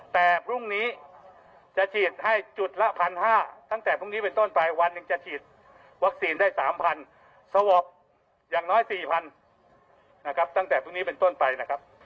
แต่พรุ่งนี้จะฉีดให้จุดละ๑๕๐๐ตั้งแต่พรุ่งนี้เป็นต้นไปวันหนึ่งจะฉีดวัคซีนได้๓๐๐สวอปอย่างน้อย๔๐๐นะครับตั้งแต่พรุ่งนี้เป็นต้นไปนะครับ